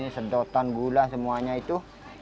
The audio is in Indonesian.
sedotan gula semuanya itu